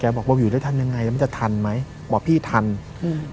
แกบอกว่าวิวได้ทำยังไงแล้วไม่จะทำไหมบอกพี่ทำอืม